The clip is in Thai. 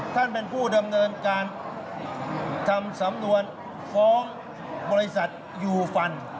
ท่านเป็นผู้ดำเนินการทำสำนวนฟ้องบริษัทยูฟัน